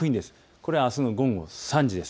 これはあすの午後３時です。